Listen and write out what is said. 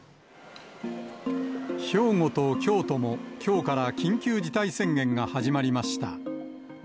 兵庫と京都も、きょうから緊急事態宣言が始まりました。